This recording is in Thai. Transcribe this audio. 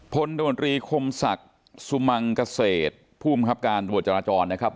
ผลโดยมนตรีคมศักดิ์สุมังเกษตรผู้มีความครับการบวชรจรจรนะครับ